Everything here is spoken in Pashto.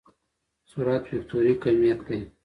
سرعت وکتوري کميت دی.